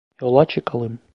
Yola çıkalım.